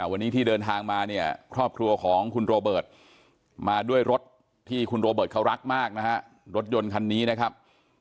วันนี้ที่เดินทางมาเนี่ยครอบครัวของคุณโรเบิร์ตมาด้วยรถที่คุณโรเบิร์ตเขารักมากนะฮะรถยนต์คันนี้นะครับ